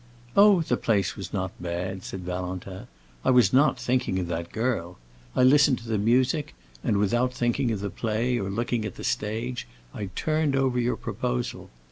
"Oh, the place was not bad," said Valentin. "I was not thinking of that girl. I listened to the music, and, without thinking of the play or looking at the stage, I turned over your proposal.